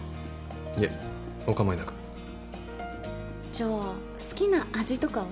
いえお構いなくじゃあ好きな味とかは？